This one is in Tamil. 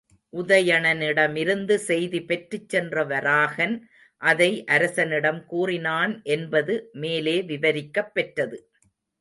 உதயணனிடமிருந்து செய்தி பெற்றுச் சென்ற வராகன் அதை அரசனிடம் கூறினான் என்பது மேலே விவரிக்கப் பெற்றது.